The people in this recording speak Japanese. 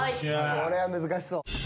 これは難しそう。